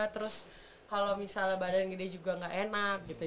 terus kalo misalnya badan gede juga gak enak gitu